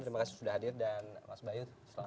terima kasih sudah hadir dan mas bagja